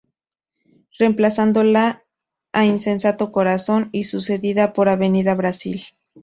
Reemplazando a Insensato corazón y sucedida por Avenida Brasil.